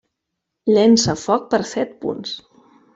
Llença foc per set punts.